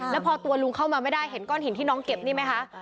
แล้วพอตัวลุงเข้ามาไม่ได้เห็นก้อนหินที่น้องเก็บนี่ไหมคะ